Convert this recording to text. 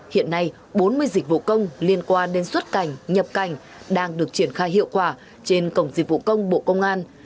hiện nay bốn mươi dịch vụ công liên quan đến xuất cảnh nhập cảnh đang được triển khai hiệu quả trên cổng dịch vụ công bộ công an